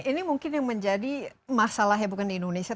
ini mungkin yang menjadi masalah ya bukan di indonesia